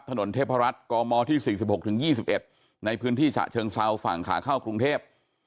ถนนเทพรัฐกมที่๔๖๒๑ในพื้นที่ฉะเชิงเซาฝั่งขาเข้ากรุงเทพ